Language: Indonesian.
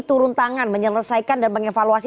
turun tangan menyelesaikan dan mengevaluasi